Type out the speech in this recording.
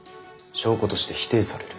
証拠として否定される。